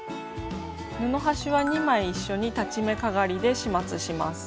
布端は２枚一緒に裁ち目かがりで始末します。